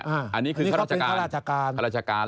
อันนี้คือเค้าราชกาล